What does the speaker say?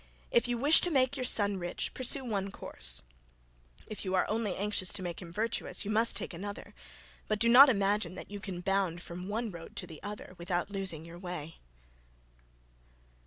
If you wish to make your son rich, pursue one course if you are only anxious to make him virtuous, you must take another; but do not imagine that you can bound from one road to the other without losing your way.